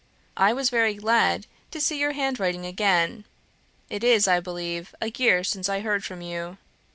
"I was very glad to see your handwriting again. It is, I believe, a year since I heard from you.